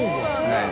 はい。